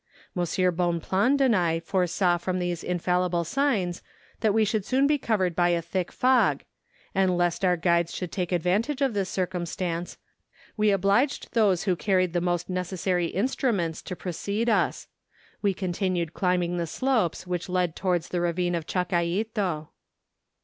M. Bonpland and I foresaw from these infallible signs that we should soon be covered by a thick fog, and lest our guides should take advantage of this circumstance 284 MOliNTAIN ADVENTUEES. and leave us, we obliged those who carried the most necessary instruments to precede us; we continued climbing the slopes which lead towards the ravine of Chacaito.